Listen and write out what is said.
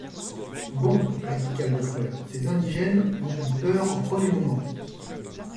Bon! répliqua le docteur, ces indigènes ont eu peur au premier moment.